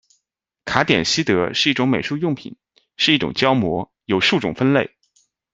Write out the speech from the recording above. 卡典西德是一种美术用品，是一种胶膜，有数种分类。